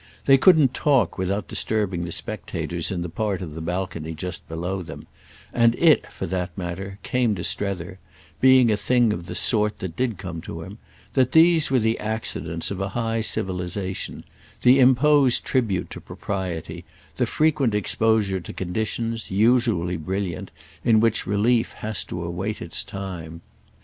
They couldn't talk without disturbing the spectators in the part of the balcony just below them; and it, for that matter, came to Strether—being a thing of the sort that did come to him—that these were the accidents of a high civilisation; the imposed tribute to propriety, the frequent exposure to conditions, usually brilliant, in which relief has to await its time.